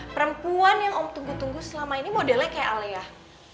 perempuan yang om tunggu selama ini modelnya kayak allea